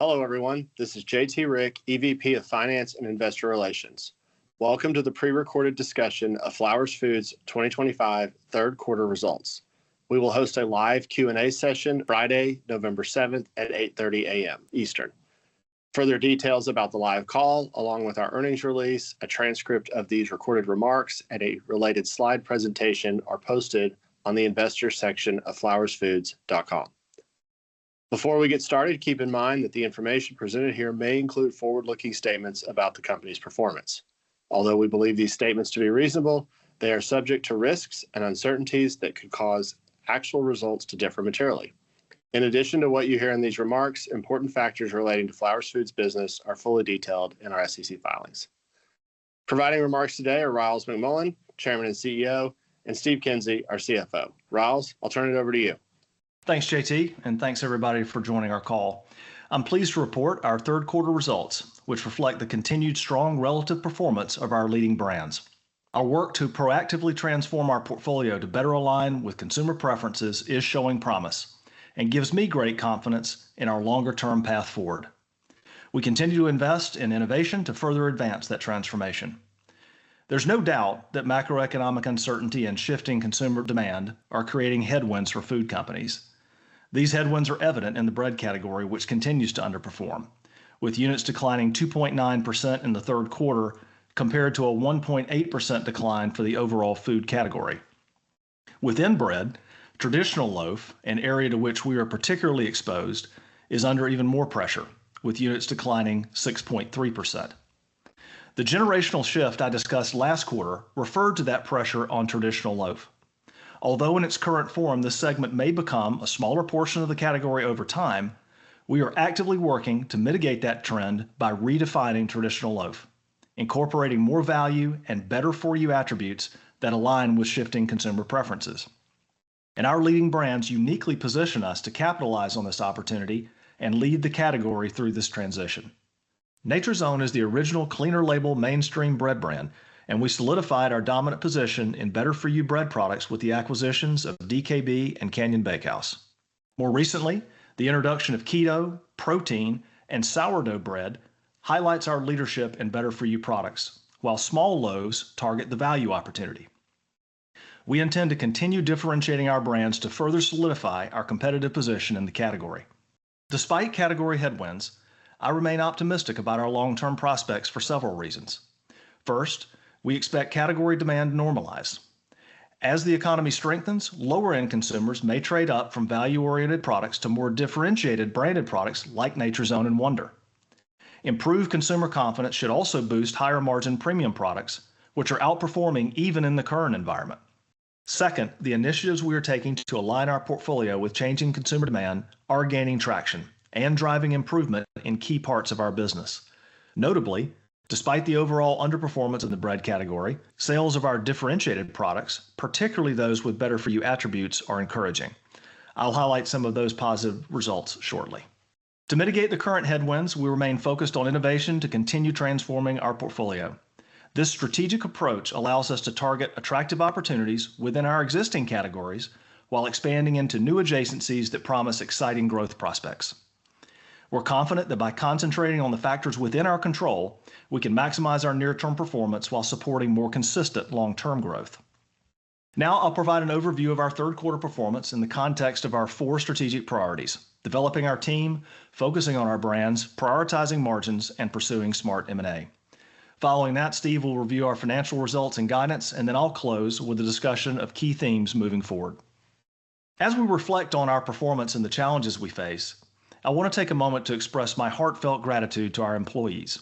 Hello, everyone. This is J.T. Rieck, EVP of Finance and Investor Relations. Welcome to the pre-recorded discussion of Flowers Foods' 2025 third-quarter results. We will host a live Q&A session Friday, November 7th, at 8:30 A.M. Eastern. Further details about the live call, along with our earnings release, a transcript of these recorded remarks, and a related slide presentation are posted on the investor section of flowersfoods.com. Before we get started, keep in mind that the information presented here may include forward-looking statements about the company's performance. Although we believe these statements to be reasonable, they are subject to risks and uncertainties that could cause actual results to differ materially. In addition to what you hear in these remarks, important factors relating to Flowers Foods' business are fully detailed in our SEC filings. Providing remarks today are Ryals McMullian, Chairman and CEO, and Steve Kinsey, our CFO. Ryals, I'll turn it over to you. Thanks, J.T., and thanks, everybody, for joining our call. I'm pleased to report our third-quarter results, which reflect the continued strong relative performance of our leading brands. Our work to proactively transform our portfolio to better align with consumer preferences is showing promise and gives me great confidence in our longer-term path forward. We continue to invest in innovation to further advance that transformation. There's no doubt that macroeconomic uncertainty and shifting consumer demand are creating headwinds for food companies. These headwinds are evident in the bread category, which continues to underperform, with units declining 2.9% in the third quarter compared to a 1.8% decline for the overall food category. Within bread, traditional loaf, an area to which we are particularly exposed, is under even more pressure, with units declining 6.3%. The generational shift I discussed last quarter referred to that pressure on traditional loaf. Although in its current form, this segment may become a smaller portion of the category over time, we are actively working to mitigate that trend by redefining traditional loaf, incorporating more value and better-for-you attributes that align with shifting consumer preferences, and our leading brands uniquely position us to capitalize on this opportunity and lead the category through this transition. Nature's Own is the original cleaner-label mainstream bread brand, and we solidified our dominant position in better-for-you bread products with the acquisitions of DKB and Canyon Bakehouse. More recently, the introduction of keto, protein, and sourdough bread highlights our leadership in better-for-you products, while small loaves target the value opportunity. We intend to continue differentiating our brands to further solidify our competitive position in the category. Despite category headwinds, I remain optimistic about our long-term prospects for several reasons. First, we expect category demand to normalize. As the economy strengthens, lower-end consumers may trade up from value-oriented products to more differentiated branded products like Nature's Own and Wonder. Improved consumer confidence should also boost higher-margin premium products, which are outperforming even in the current environment. Second, the initiatives we are taking to align our portfolio with changing consumer demand are gaining traction and driving improvement in key parts of our business. Notably, despite the overall underperformance in the bread category, sales of our differentiated products, particularly those with better-for-you attributes, are encouraging. I'll highlight some of those positive results shortly. To mitigate the current headwinds, we remain focused on innovation to continue transforming our portfolio. This strategic approach allows us to target attractive opportunities within our existing categories while expanding into new adjacencies that promise exciting growth prospects. We're confident that by concentrating on the factors within our control, we can maximize our near-term performance while supporting more consistent long-term growth. Now, I'll provide an overview of our third-quarter performance in the context of our four strategic priorities: developing our team, focusing on our brands, prioritizing margins, and pursuing smart M&A. Following that, Steve will review our financial results and guidance, and then I'll close with a discussion of key themes moving forward. As we reflect on our performance and the challenges we face, I want to take a moment to express my heartfelt gratitude to our employees.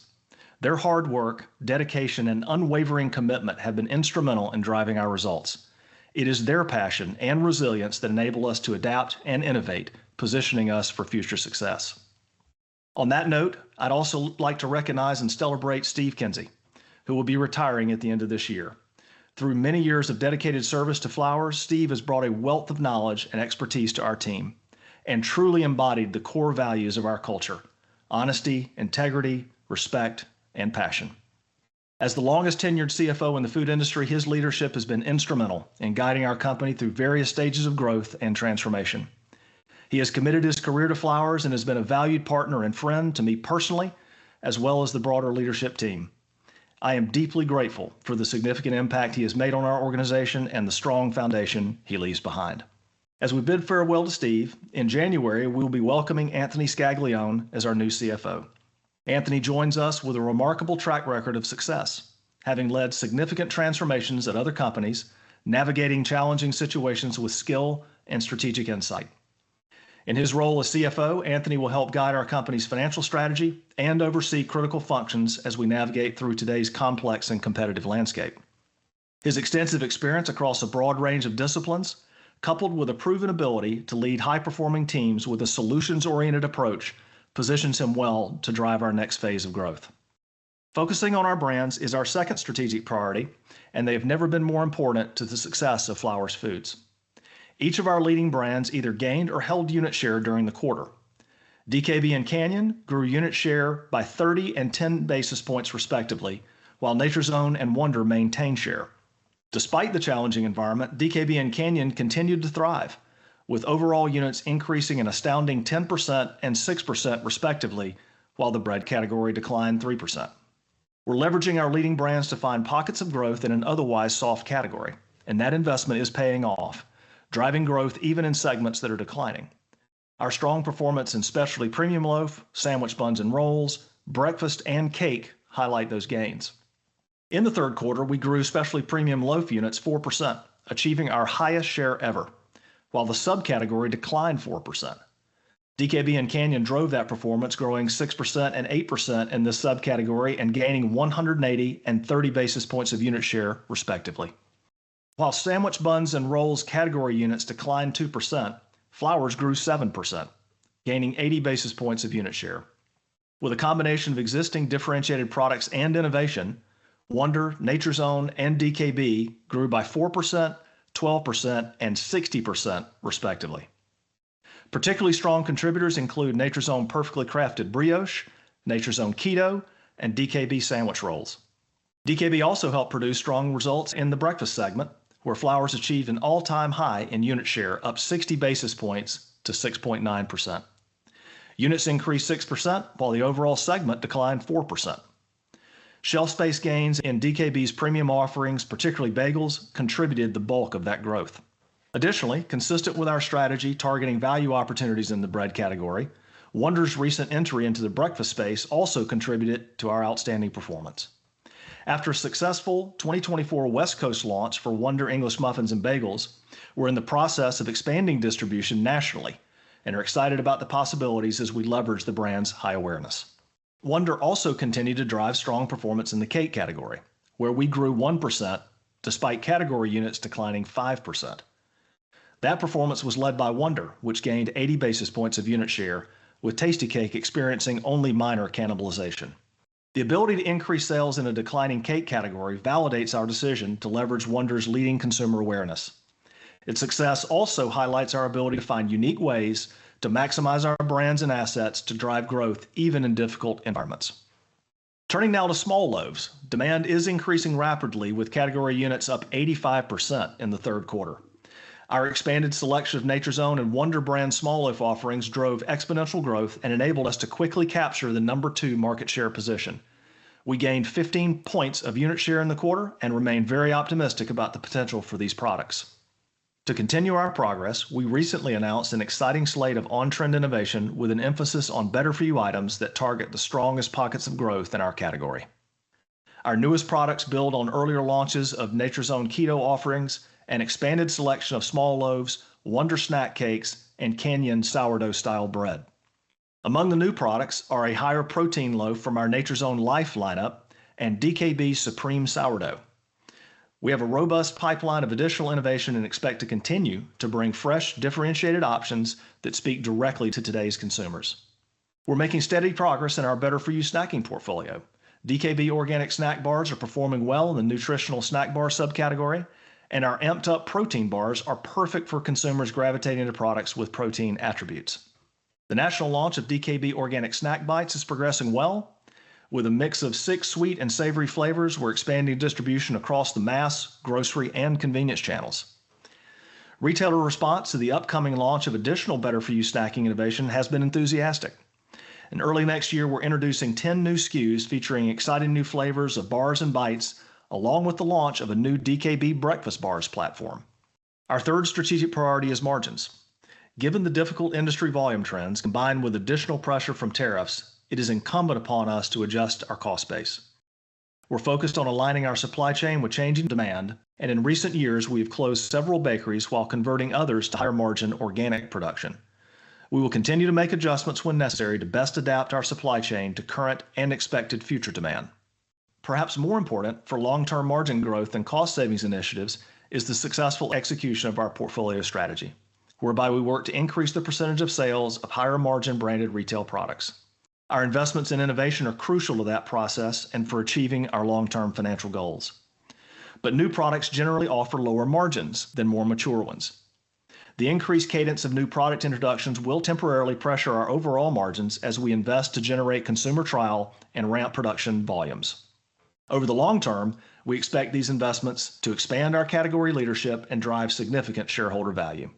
Their hard work, dedication, and unwavering commitment have been instrumental in driving our results. It is their passion and resilience that enable us to adapt and innovate, positioning us for future success. On that note, I'd also like to recognize and celebrate Steve Kinsey, who will be retiring at the end of this year. Through many years of dedicated service to Flowers, Steve has brought a wealth of knowledge and expertise to our team and truly embodied the core values of our culture: honesty, integrity, respect, and passion. As the longest-tenured CFO in the food industry, his leadership has been instrumental in guiding our company through various stages of growth and transformation. He has committed his career to Flowers and has been a valued partner and friend to me personally as well as the broader leadership team. I am deeply grateful for the significant impact he has made on our organization and the strong foundation he leaves behind. As we bid farewell to Steve, in January, we will be welcoming Anthony Scaglione as our new CFO. Anthony joins us with a remarkable track record of success, having led significant transformations at other companies, navigating challenging situations with skill and strategic insight. In his role as CFO, Anthony will help guide our company's financial strategy and oversee critical functions as we navigate through today's complex and competitive landscape. His extensive experience across a broad range of disciplines, coupled with a proven ability to lead high-performing teams with a solutions-oriented approach, positions him well to drive our next phase of growth. Focusing on our brands is our second strategic priority, and they have never been more important to the success of Flowers Foods. Each of our leading brands either gained or held unit share during the quarter. DKB and Canyon grew unit share by 30 and 10 basis points, respectively, while Nature's Own and Wonder maintained share. Despite the challenging environment, DKB and Canyon continued to thrive, with overall units increasing an astounding 10% and 6%, respectively, while the bread category declined 3%. We're leveraging our leading brands to find pockets of growth in an otherwise soft category, and that investment is paying off, driving growth even in segments that are declining. Our strong performance in specialty premium loaf, sandwich buns and rolls, breakfast, and cake highlight those gains. In the third quarter, we grew specialty premium loaf units 4%, achieving our highest share ever, while the subcategory declined 4%. DKB and Canyon drove that performance, growing 6% and 8% in this subcategory and gaining 180 and 30 basis points of unit share, respectively. While sandwich buns and rolls category units declined 2%, Flowers grew 7%, gaining 80 basis points of unit share. With a combination of existing differentiated products and innovation, Wonder, Nature's Own, and DKB grew by 4%, 12%, and 60%, respectively. Particularly strong contributors include Nature's Own Perfectly Crafted Brioche, Nature's Own Keto, and DKB Sandwich Rolls. DKB also helped produce strong results in the breakfast segment, where Flowers achieved an all-time high in unit share, up 60 basis points to 6.9%. Units increased 6%, while the overall segment declined 4%. Shelf space gains in DKB's premium offerings, particularly bagels, contributed the bulk of that growth. Additionally, consistent with our strategy targeting value opportunities in the bread category, Wonder's recent entry into the breakfast space also contributed to our outstanding performance. After a successful 2024 West Coast launch for Wonder English Muffins and Bagels, we're in the process of expanding distribution nationally and are excited about the possibilities as we leverage the brand's high awareness. Wonder also continued to drive strong performance in the cake category, where we grew 1% despite category units declining 5%. That performance was led by Wonder, which gained 80 basis points of unit share, with Tastykake experiencing only minor cannibalization. The ability to increase sales in a declining cake category validates our decision to leverage Wonder's leading consumer awareness. Its success also highlights our ability to find unique ways to maximize our brands and assets to drive growth even in difficult environments. Turning now to small loaves, demand is increasing rapidly, with category units up 85% in the third quarter. Our expanded selection of Nature's Own and Wonder brand small loaf offerings drove exponential growth and enabled us to quickly capture the number two market share position. We gained 15 points of unit share in the quarter and remain very optimistic about the potential for these products. To continue our progress, we recently announced an exciting slate of on-trend innovation with an emphasis on better-for-you items that target the strongest pockets of growth in our category. Our newest products build on earlier launches of Nature's Own Keto offerings and expanded selection of small loaves, Wonder Snack Cakes, and Canyon sourdough-style bread. Among the new products are a higher protein loaf from our Nature's Own Life lineup and DKB Supreme Sourdough. We have a robust pipeline of additional innovation and expect to continue to bring fresh, differentiated options that speak directly to today's consumers. We're making steady progress in our better-for-you snacking portfolio. DKB Organic Snack Bars are performing well in the nutritional snack bar subcategory, and our Amped-Up Protein Bars are perfect for consumers gravitating to products with protein attributes. The national launch of DKB Organic Snack Bites is progressing well, with a mix of six sweet and savory flavors. We're expanding distribution across the mass, grocery, and convenience channels. Retailer response to the upcoming launch of additional better-for-you snacking innovation has been enthusiastic. In early next year, we're introducing 10 new SKUs featuring exciting new flavors of bars and bites, along with the launch of a new DKB Breakfast Bars platform. Our third strategic priority is margins. Given the difficult industry volume trends combined with additional pressure from tariffs, it is incumbent upon us to adjust our cost base. We're focused on aligning our supply chain with changing demand, and in recent years, we have closed several bakeries while converting others to higher-margin organic production. We will continue to make adjustments when necessary to best adapt our supply chain to current and expected future demand. Perhaps more important for long-term margin growth than cost savings initiatives is the successful execution of our portfolio strategy, whereby we work to increase the percentage of sales of higher-margin branded retail products. Our investments in innovation are crucial to that process and for achieving our long-term financial goals. But new products generally offer lower margins than more mature ones. The increased cadence of new product introductions will temporarily pressure our overall margins as we invest to generate consumer trial and ramp production volumes. Over the long term, we expect these investments to expand our category leadership and drive significant shareholder value.